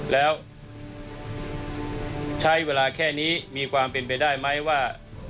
แล้วใช้เวลาแค่นี้มีความเป็นไปได้ไหมว่า